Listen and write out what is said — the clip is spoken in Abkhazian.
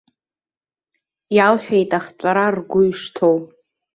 Иалҳәеит ахҵәара ргәы ишҭоу.